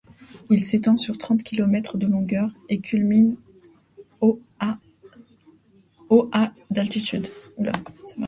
Il s'étend sur trente kilomètres de longueur et culmine au à d'altitude.